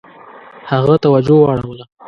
هغه توجه واړوله.